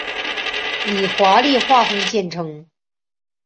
以华丽画风见称。